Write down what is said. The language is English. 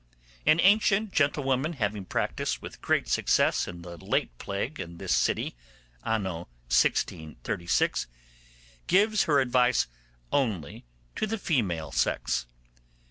'An ancient gentlewoman, having practised with great success in the late plague in this city, anno 1636, gives her advice only to the female sex.